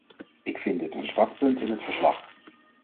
Ik vind dit een zwak punt in het verslag.